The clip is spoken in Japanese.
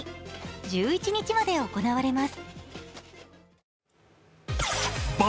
１１日まで行われます。